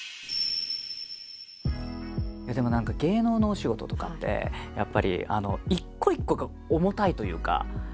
でも何か芸能のお仕事とかってやっぱり一個一個が重たいというか。